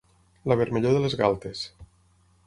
La vermellor de les galtes.